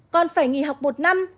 con phải nghỉ học một năm